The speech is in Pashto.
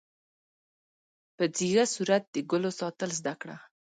په ځیږه صورت د ګلو ساتل زده کړه.